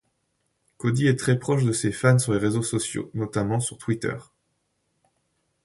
Cody est très proche de ses fans sur les réseaux sociaux notamment sur Twitter.